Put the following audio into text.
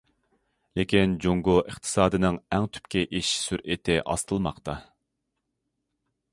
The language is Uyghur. لېكىن، جۇڭگو ئىقتىسادىنىڭ ئەڭ تۈپكى ئېشىش سۈرئىتى ئاستىلىماقتا.